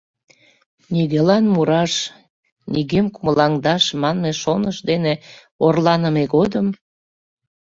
нигöлан мураш, нигöм кумылаҥдаш манме шоныш дене орланыме годым…